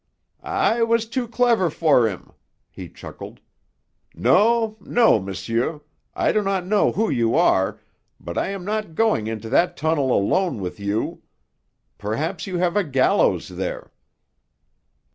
"I was too clever for him," he chuckled. "No, no, monsieur, I do not know who you are, but I am not going into that tunnel alone with you. Perhaps you have a gallows there."